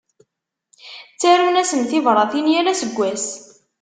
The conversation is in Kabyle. Ttarun-asen tibratin yal aseggas.